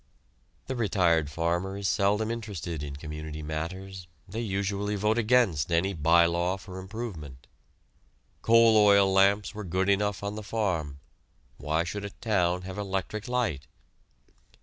The retired farmer is seldom interested in community matters they usually vote against any by law for improvement. Coal oil lamps were good enough on the farm why should a town have electric light?